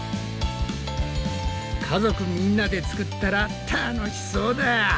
家族みんなで作ったら楽しそうだ。